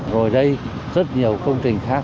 rồi đây rất nhiều công trình khác